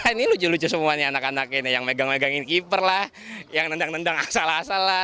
ini lucu lucu semuanya anak anak ini yang megang megangin keeper lah yang nendang nendang asal asal lah